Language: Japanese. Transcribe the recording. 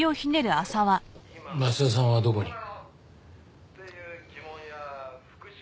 松田さんはどこに？